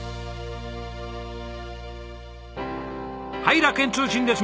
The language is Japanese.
はい楽園通信です。